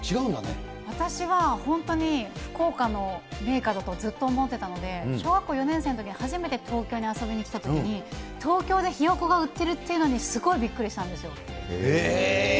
私は本当に、福岡の名菓だとずっと思ってたので、小学校４年生のときに初めて東京に遊びに来たときに、東京でひよ子が売ってるっていうのに、すごいびっくりしたんですえー！